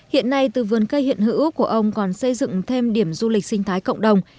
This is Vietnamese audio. hiện nay từ vườn cây hiện hữu của ông còn xây dựng thêm điểm du lịch sinh thái cộng đồng